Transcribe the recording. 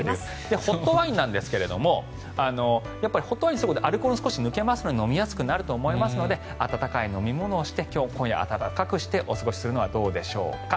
ホットワインなんですがアルコールが抜けて飲みやすくなると思いますので温かい飲み物にして今日は暖かくしてお過ごしするのはどうでしょうか。